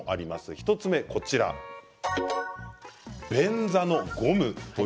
１つ目が便座のゴム。